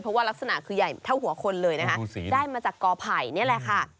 เพราะว่ารักษณะคือใหญ่เท่าหัวคนเลยนะคะได้มาจากกอไผ่นี่แหละค่ะ